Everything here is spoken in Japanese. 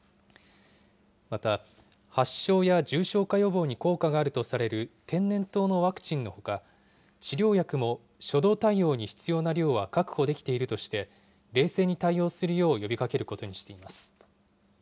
また、発症や重症化予防に効果があるとされる天然痘のワクチンのほか、治療薬も初動対応に必要な量は確保できているとして、冷静に対応するよう呼びかけることにしています。